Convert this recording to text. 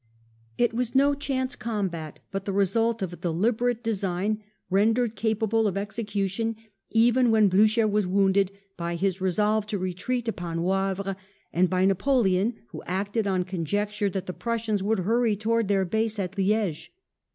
It was no chance combat, but the result of a deliberate design, rendered capable of execution, even when Blucher was wounded, by his resolve to retreat upon Wavre, and by Napoleon, who acted on conjecture that the Prussians would hurry towards their base at Liege.